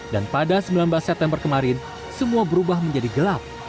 dan pada sembilan belas september kemarin semua berubah menjadi gelap